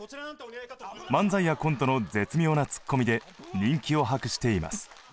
漫才やコントの絶妙なツッコミで人気を博しています。